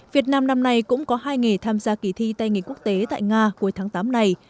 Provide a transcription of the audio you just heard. việt nam năm nay cũng có hai nghề tham gia kỳ thi tay nghề quốc tế tại nga cuối tháng tám này